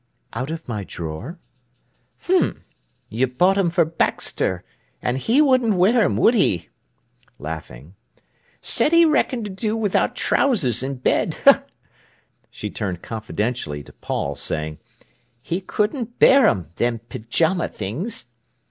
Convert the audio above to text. "Out of my drawer." "H'm! You bought 'em for Baxter, an' he wouldn't wear 'em, would he?"—laughing. "Said he reckoned to do wi'out trousers i' bed." She turned confidentially to Paul, saying: "He couldn't bear 'em, them pyjama things."